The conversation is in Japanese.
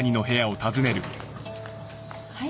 はい。